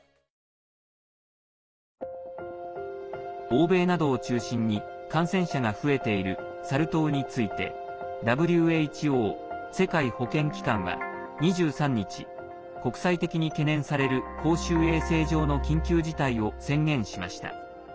欧米などを中心に感染者が増えているサル痘についてＷＨＯ＝世界保健機関は２３日、国際的に懸念される公衆衛生上の緊急事態を宣言しました。